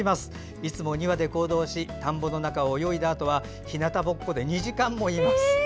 いつも２羽で行動し田んぼの中を泳いだあとは日向ぼっこで２時間もいます。